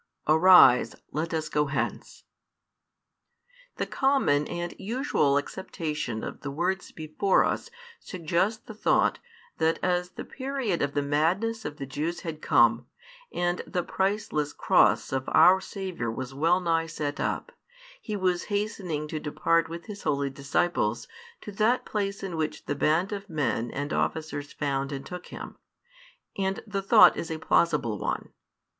Arise, let us go hence. The common and usual acceptation of the words before |361 us suggests the thought, that as the period of the madness of the Jews had come, and the priceless Cross of our Saviour was well nigh set up, He was hastening to depart with His holy disciples, to that place in which the band of men and officers found and took Him. And the thought is a plausible one.